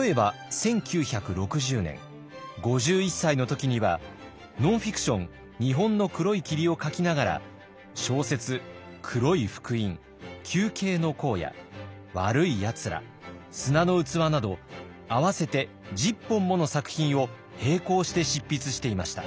例えば１９６０年５１歳の時にはノンフィクション「日本の黒い霧」を書きながら小説「黒い福音」「球形の荒野」「わるいやつら」「砂の器」など合わせて１０本もの作品を並行して執筆していました。